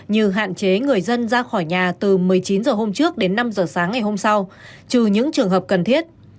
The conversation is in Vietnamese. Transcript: như hạn chế người dân ra khỏi nhà từ một mươi chín h hôm trước đến năm h sáng ngày hôm sau trừ những trường hợp cần thiết